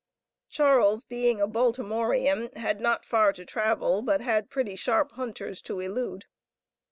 Charles, being a Baltimorean, had not far to travel, but had pretty sharp hunters to elude.